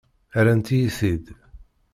Rrant-iyi-t-id.